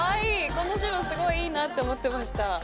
この白すごいいいなと思ってました。